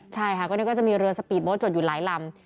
ใช่ค่ะก็นึกว่าจะมีเรือสปีดโบ๊ทจดอยู่หลายลำ